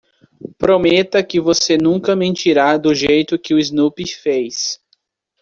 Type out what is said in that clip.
Prometa que você nunca mentirá do jeito que o Snoopy fez.